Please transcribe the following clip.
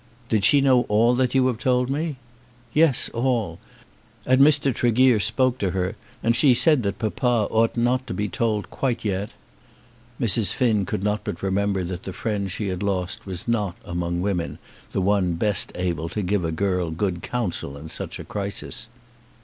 "Did she know all that you have told me?" "Yes; all. And Mr. Tregear spoke to her, and she said that papa ought not to be told quite yet." Mrs. Finn could not but remember that the friend she had lost was not, among women, the one best able to give a girl good counsel in such a crisis.